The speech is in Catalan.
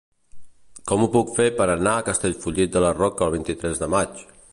Com ho puc fer per anar a Castellfollit de la Roca el vint-i-tres de maig?